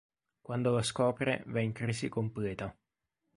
Quando lo scopre va in crisi completa.